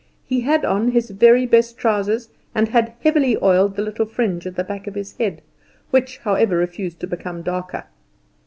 He had on his very best trousers, and had heavily oiled the little fringe at the back of his head, which, however, refused to become darker.